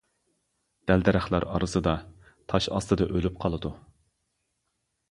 دەل-دەرەخلەر ئارىسىدا، تاش ئاستىدا ئۆلۈپ قالىدۇ.